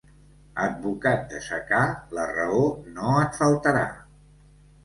Advocat de secà, la raó no et faltarà.